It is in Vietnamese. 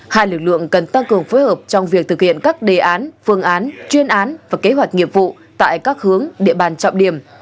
hai lực lượng cần tăng cường phối hợp trong việc thực hiện các đề án phương án chuyên án và kế hoạch nghiệp vụ tại các hướng địa bàn trọng điểm